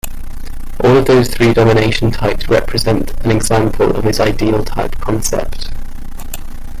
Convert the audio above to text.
All of those three domination types represent an example of his ideal type concept.